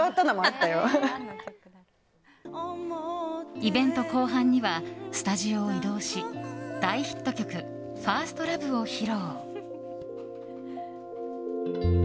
イベント後半にはスタジオを移動し大ヒット曲「ＦｉｒｓｔＬｏｖｅ」を披露。